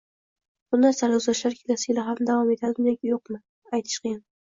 Bunday sarguzashtlar kelasi yili ham davom etadimi yoki yo'qmi, aytish qiyin